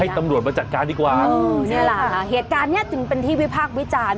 ตำรวจมาจัดการดีกว่าเออนี่แหละค่ะเหตุการณ์เนี้ยจึงเป็นที่วิพากษ์วิจารณ์